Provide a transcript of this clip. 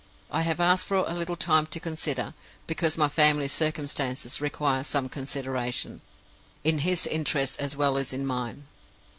I have asked for a little time to consider, because my family circumstances require some consideration, in his interests as well as in mine.